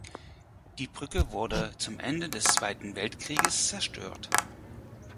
Die Brücke wurde zum Ende des Zweiten Weltkrieges zerstört.